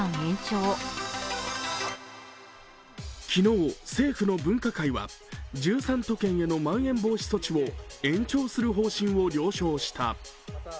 昨日、政府の分科会は１３都県への蔓延防止措置を延長する方針を了承した。